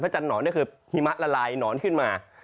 พระจันทร์หนอนก็คือหิมะละลายหนอนขึ้นมา